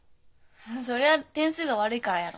そりゃ点数が悪いからやろ。